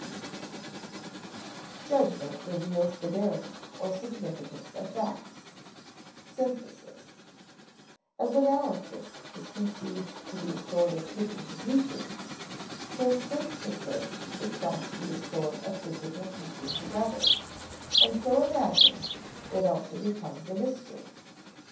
[Sidenote: Judgment reveals the bearing or significance of facts: synthesis] As analysis is conceived to be a sort of picking to pieces, so synthesis is thought to be a sort of physical piecing together; and so imagined, it also becomes a mystery.